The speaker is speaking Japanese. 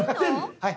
はい。